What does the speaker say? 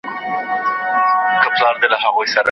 څېړونکی د موضوع نوې زاویې لټوي.